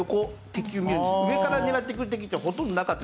上から狙ってくる敵ってほとんどなかった。